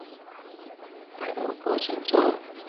北海道厚真町